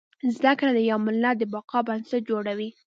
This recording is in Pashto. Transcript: زده کړه د يو ملت د بقا بنسټ جوړوي